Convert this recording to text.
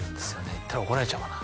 言ったら怒られちゃうかな？